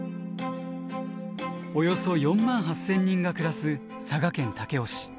およそ４万８，０００人が暮らす佐賀県武雄市。